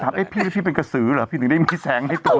ผมก็จะถามพี่เป็นกระสือเหรอพี่ถึงได้มีแสงในตัว